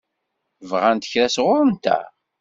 Bɣant kra sɣur-nteɣ?